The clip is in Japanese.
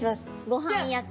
ごはん役。